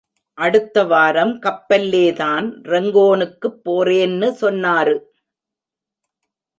அடுத்தவாரம் கப்பல்லே தான் ரெங்கோனுக்குப் போறேன்னு சொன்னாரு.